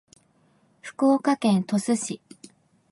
福岡県鳥栖市